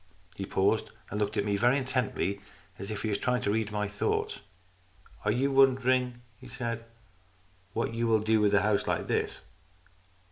He paused and looked at me very intently, as if he were trying to read my thoughts. "Are you wondering," he said, " what you will do with a house like this